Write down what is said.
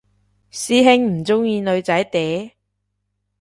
師兄唔鍾意女仔嗲？